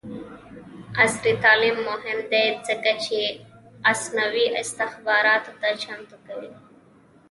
عصري تعلیم مهم دی ځکه چې مصنوعي استخباراتو ته چمتو کوي.